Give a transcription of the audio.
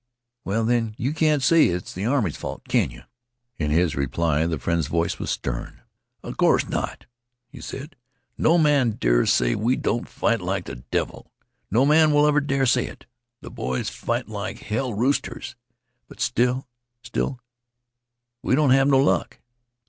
Well, then, you can't say it's th' army's fault, can you?" In his reply, the friend's voice was stern. "'A course not," he said. "No man dare say we don't fight like th' devil. No man will ever dare say it. Th' boys fight like hell roosters. But still still, we don't have no luck."